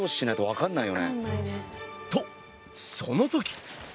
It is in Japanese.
とその時。